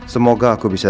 semoga aku bisa